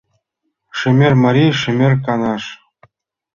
Шемер марий, шемер каҥаш